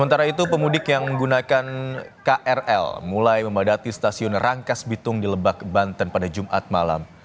sementara itu pemudik yang menggunakan krl mulai memadati stasiun rangkas bitung di lebak banten pada jumat malam